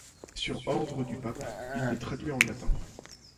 Sur ordre du pape, il les traduit en latin.